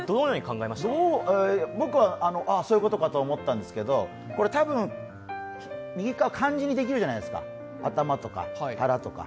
僕は、あ、そういうことかと思ったんですけどこれ多分、右側、漢字にできるじゃないですか、「あたま」とか「はら」とか。